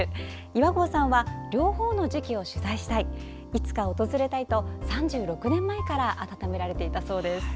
岩合さんは両方の時期を取材したい、いつか訪れたいと３６年前から温めてられていたそうです。